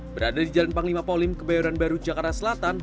berada di jalan panglima polim kebayoran baru jakarta selatan